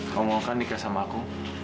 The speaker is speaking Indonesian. kamu mau kan nikah sama aku